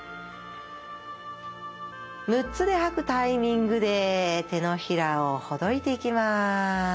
６つで吐くタイミングで手のひらをほどいていきます。